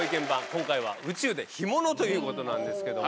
今回は「宇宙で干物」ということなんですけども。